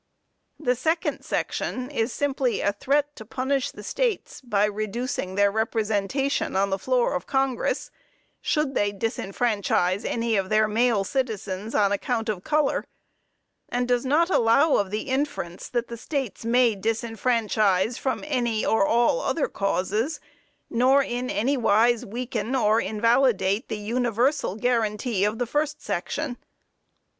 The second section is simply a threat to punish the states, by reducing their representation on the floor of Congress, should they disfranchise any of their male citizens, on account of color, and does not allow of the inference that the states may disfranchise from any, or all other causes; nor in any wise weaken or invalidate the universal guarantee of the first section.